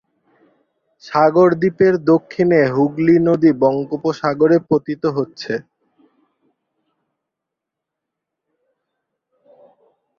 সাগর দ্বীপের দক্ষিণে হুগলি নদী বঙ্গোপসাগরে পতিত হচ্ছে।